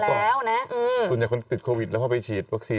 คุณอย่างคนติดโควิดแล้วเข้าไปฉีดวัคซีน